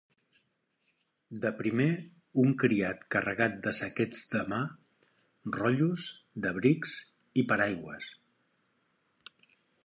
De primer un criat carregat de saquets de mà, rotllos d'abrics, i paraigües.